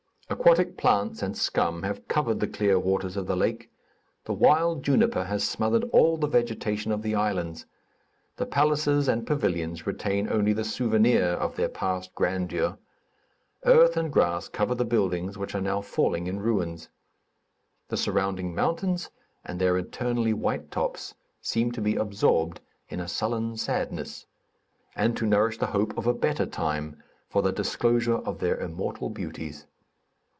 Aquatic plants and scum have covered the clear waters of the lake; the wild juniper has smothered all the vegetation of the islands; the palaces and pavilions retain only the souvenir of their past grandeur; earth and grass cover the buildings which are now falling in ruins. The surrounding mountains and their eternally white tops seem to be absorbed in a sullen sadness, and to nourish the hope of a better time for the disclosure of their immortal beauties.